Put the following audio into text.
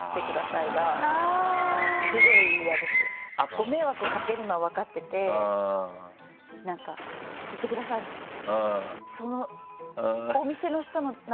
ご迷惑かけるのは分かっててなんか「行ってください」みたいな。